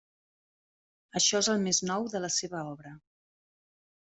Això és el més nou de la seva obra.